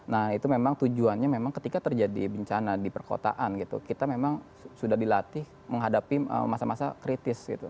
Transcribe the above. nah itu memang tujuannya memang ketika terjadi bencana di perkotaan gitu kita memang sudah dilatih menghadapi masa masa kritis gitu